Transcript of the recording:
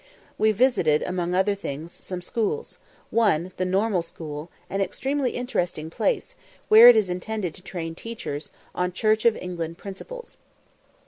We visited, among other things, some schools one, the Normal School, an extremely interesting one, where it is intended to train teachers, on Church of England principles.